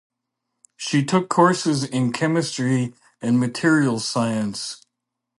She took courses in chemistry and materials science.